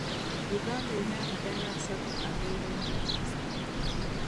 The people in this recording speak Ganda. Uganda erina amadaala asatu ag'ebyenjigiriza.